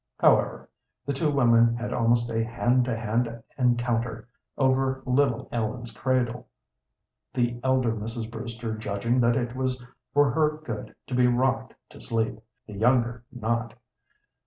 However, the two women had almost a hand to hand encounter over little Ellen's cradle, the elder Mrs. Brewster judging that it was for her good to be rocked to sleep, the younger not.